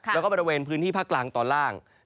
แล้วก็บริเวณพื้นที่ภาคกลางตอนล่าง